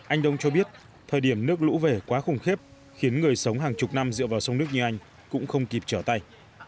anh đông cho biết thời điểm nước lũ về quá khủng khiếp khiến người sống hàng chục năm dựa vào sông nước như anh cũng không kịp trở tay